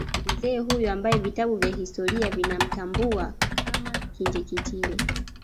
Mzee huyu ambaye vitabu vya historia vinamtambua kama Kinjekitile